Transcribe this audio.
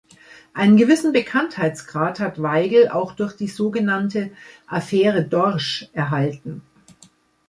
Einen gewissen Bekanntheitsgrad hat Weigel auch durch die sogenannte "Affäre Dorsch" erhalten.